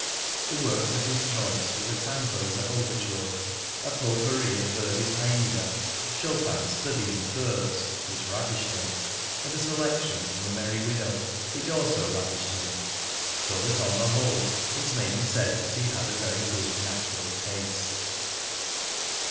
The works of his choice were the "Tannhäuser" overture, a potpourri of Verdi's "Aïda," Chopin's Study in Thirds which ravished him and a selection from "The Merry Widow," which also ravished him. So that on the whole it may be said that he had a very good natural taste.